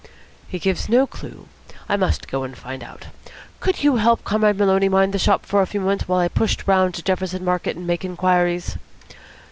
"He gives no clue. I must go and find out. Could you help Comrade Maloney mind the shop for a few moments while I push round to Jefferson Market and make inquiries?"